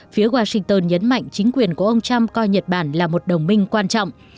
phía washington nhấn mạnh chính quyền của ông trump coi nhật bản là một đồng minh quan trọng